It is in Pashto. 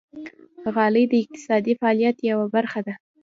غالۍ د اقتصادي فعالیت یوه برخه ده.